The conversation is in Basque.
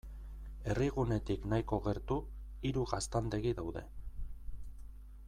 Herrigunetik nahiko gertu, hiru gaztandegi daude.